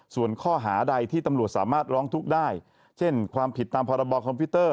ส่วนข้อหาใดที่ตำรวจสามารถร้องทุกข์ได้เช่นความผิดตามพรบคอมพิวเตอร์